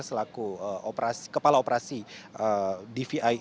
selaku kepala operasi dvi